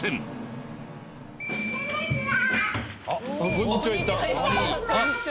こんにちは。